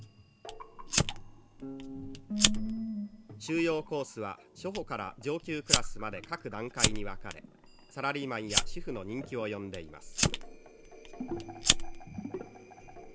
「修養コースは初歩から上級クラスまで各段階に分かれサラリーマンや主婦の人気を呼んでいます」。